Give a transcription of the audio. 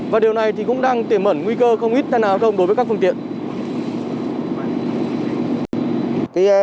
và điều này thì cũng đang tiềm mẩn nguy cơ không ít hay nào không đối với các phương tiện